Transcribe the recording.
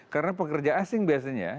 karena pekerja asing biasanya